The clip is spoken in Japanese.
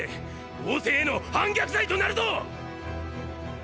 王政への反逆罪となるぞ！